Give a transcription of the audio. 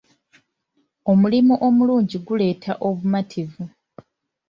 Omulimu omulungi guleeta obumativu.